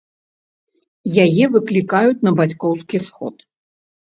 Яе выклікаюць на бацькоўскі сход.